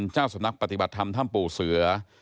เจ้าสำนักปฏิบัติธรรมถ้ำปู่เสือ